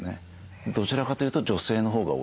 どちらかというと女性のほうが多いです。